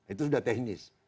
itu sudah teknis